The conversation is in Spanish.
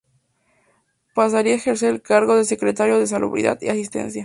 Pasaría a ejercer el cargo de Secretario de Salubridad y Asistencia.